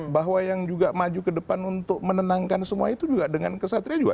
bahwa yang juga maju ke depan untuk menenangkan semua itu juga dengan kesatria juga